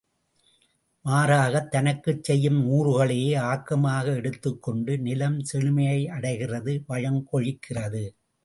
மாறாகத் தனக்குச் செய்யும் ஊறுகளையே ஆக்கமாக எடுத்துக் கொண்டு நிலம் செழுமையை அடைகிறது வளம் கொழிக்கிறது.